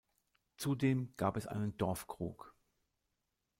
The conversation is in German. Zudem gab es einen Dorfkrug.